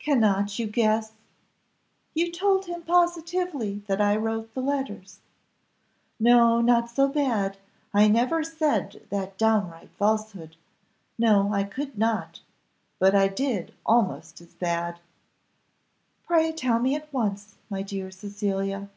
"Cannot you guess?" "You told him positively that I wrote the letters?" "No, not so bad, I never said that downright falsehood no, I could not; but I did almost as bad." "Pray tell me at once, my dear Cecilia."